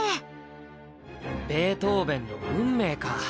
ベートーヴェンの「運命」か。